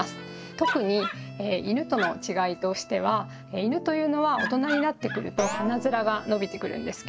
特にイヌとの違いとしてはイヌというのは大人になってくると鼻面が伸びてくるんですけれども。